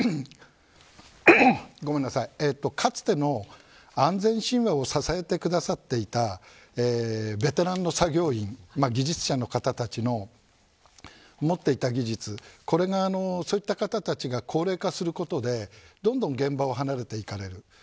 かつての安全親和を支えてくださっていたベテランの作業員技術者の方たちの持っていた技術そういった方たちが高齢化することでどんどん現場を離れていかれる。